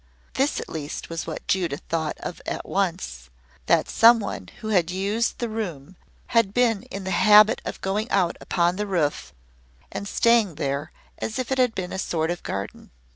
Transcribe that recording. This, at least, was what Judith thought of at once that some one who had used the room had been in the habit of going out upon the roof and staying there as if it had been a sort of garden.